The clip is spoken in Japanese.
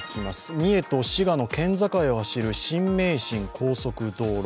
三重と滋賀の県境を走る新名神高速道路。